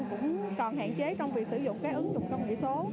cũng còn hạn chế trong việc sử dụng cái ứng dụng công nghệ số